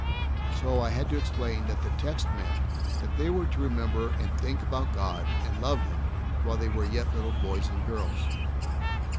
So I had to explain that the text meant that they were to remember and think about God and love Him while they were little boys and girls.